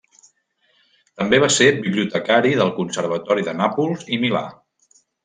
També va ser bibliotecari del Conservatori de Nàpols i Milà.